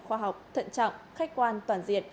khoa học thận trọng khách quan toàn diệt